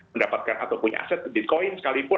mendapatkan atau punya aset bitcoin sekalipun